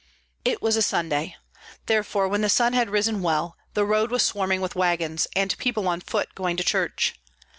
It was Sunday; therefore when the sun had risen well the road was swarming with wagons, and people on foot going to church.